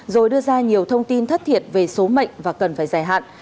rồi đưa ra nhiều thông tin thất thiệt về số mệnh và cần phải giải hạn